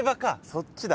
そっちだ。